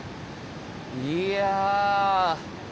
いや。